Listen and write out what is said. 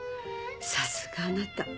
さすがあなた。